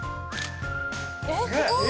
「えっすごい！」